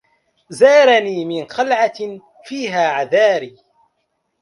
زارني من خلعت فيه عذاري